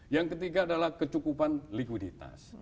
yang ketiga adalah kecukupan likuiditas